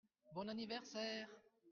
Bon anniversaire !